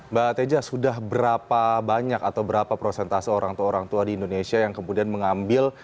mbak teja sudah berapa banyak atau berapa prosentase orang tua orang tua di indonesia yang kemudian mengambil